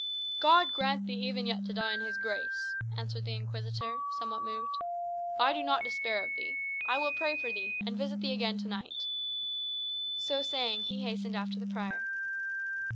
"God grant thee even yet to die in his grace!" answered the Inquisitor, somewhat moved. "I do not despair of thee. I will pray for thee, and visit thee again to night." So saying, he hastened after the prior.